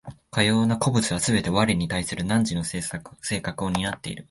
かような個物はすべて我に対する汝の性格を担っている。